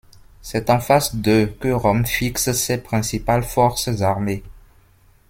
C'est en face d'eux que Rome fixe ses principales forces armées.